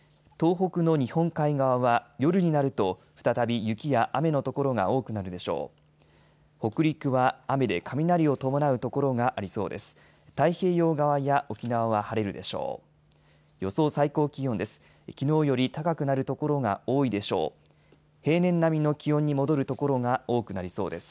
北陸は雨で雷を伴う所がありそうです。